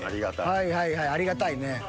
はいはいはいありがたいね。